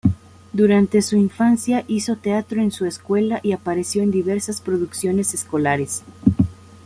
Durante su infancia hizo teatro en su escuela y apareció en diversas producciones escolares.